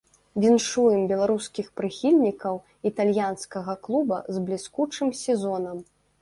Віншуем беларускіх прыхільнікаў італьянскага клуба з бліскучым сезонам.